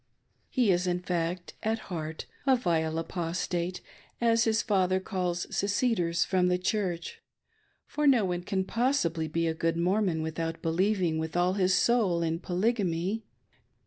He is, in fact, at heart a " vile Apostate," as his father calls seceders from the Church ; for no one can possibly be a good Mormon without believing with ■all his soul in Polygamy.